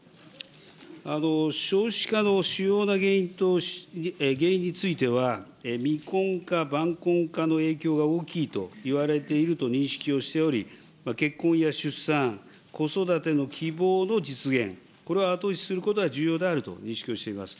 少子化の主要な原因については、未婚化、晩婚化の影響が大きいといわれていると認識をしており、結婚や出産、子育ての希望の実現、これを後押しするのが重要であるとの認識をしております。